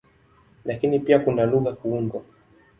Lakini pia kuna lugha za kuundwa.